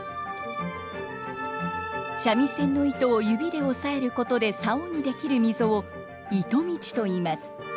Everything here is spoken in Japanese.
三味線の糸を指で押さえることで棹に出来る溝を糸道といいます。